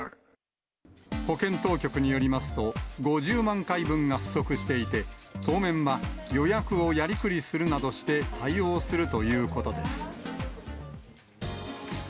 保健当局によりますと、５０万回分が不足していて、当面は予約をやりくりするなどして対応するということです。